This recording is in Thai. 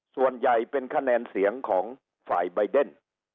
ส่วนใหญ่เป็นคะแนนเสียงของฝ่ายใบเดน